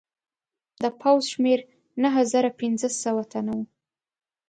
د پوځ شمېر نهه زره پنځه سوه تنه وو.